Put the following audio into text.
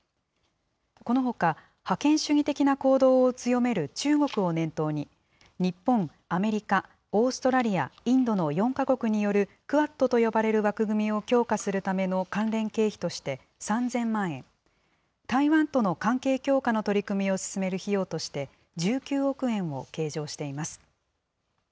このほか、覇権主義的な行動を強める中国を念頭に、日本、アメリカ、オーストラリア、インドの４か国によるクアッドと呼ばれる枠組みを強化するための関連経費として３０００万円、台湾との関係強化の取り組みを進める費用として１９億円を計上しています。